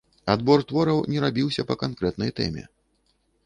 Адбор твораў не рабіўся па канкрэтнай тэме.